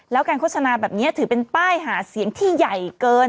แล้วการโฆษณาแบบนี้ถือเป็นป้ายหาเสียงที่ใหญ่เกิน